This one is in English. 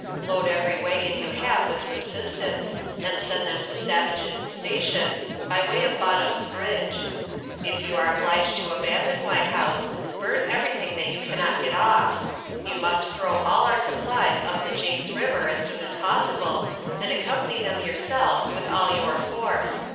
Load every wagon you have with subsistence, and send them to Savage's Station, by way of Bottom's Bridge. If you are obliged to abandon White House, burn everything that you cannot get off. You must throw all our supplies up the James River as soon as possible, and accompany them yourself with all your force.